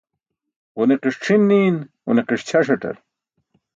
Ġuniqi̇ṣ c̣ʰin niin ġuniqiṣ ćʰaṣatar